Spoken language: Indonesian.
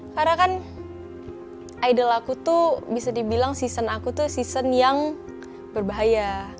karena kan idol aku tuh bisa dibilang season aku tuh season yang berbahaya